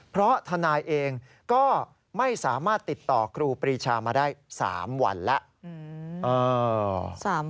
เพราะทนายเองก็ไม่สามารถติดต่อครูปรีชามาได้๓วันแล้ว